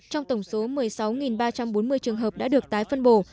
trong tổng số một mươi sáu ba trăm bốn mươi trường hợp đã được tái phân bổ